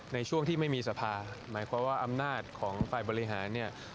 ในช่วงที่ไม่มีสภาหมายความว่าอำนาจของฝ่ายบริหารเนี่ย